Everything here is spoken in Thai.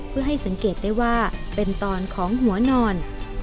เพื่อให้สังเกตได้ว่าเป็นตอนของหัวนอน